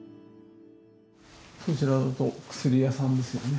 こちらだと薬屋さんですよね。